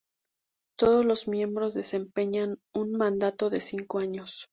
Todos los miembros desempeñan un mandato de cinco años.